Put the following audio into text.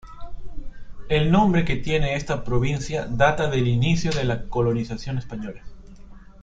El nombre que tiene esta provincia data del inicio de la colonización española.